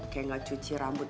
kayak ga cuci rambut